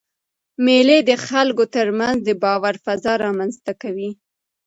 مېلې د خلکو ترمنځ د باور فضا رامنځ ته کوي.